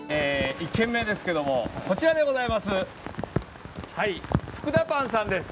１軒目ですけれどもこちらでございます。